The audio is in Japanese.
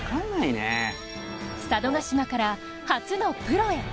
佐渡島から初のプロへ。